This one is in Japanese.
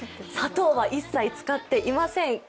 砂糖は一切使っていません。